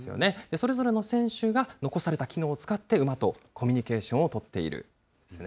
それぞれの選手が残された機能を使って、馬とコミュニケーションを取っているんですね。